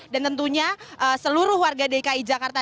dan tentunya seluruh warga dki jakarta